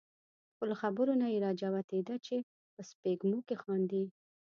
خو له خبرو نه یې را جوتېده چې په سپېږمو کې خاندي.